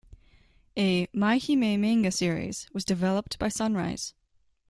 A "My-Hime" manga series was developed by Sunrise.